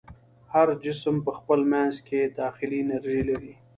هر جسم په خپل منځ کې داخلي انرژي لري.